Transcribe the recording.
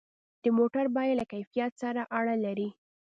د موټر بیه له کیفیت سره اړه لري.